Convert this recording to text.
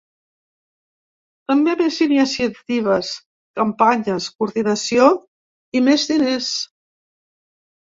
També més iniciatives, campanyes, coordinació i més diners.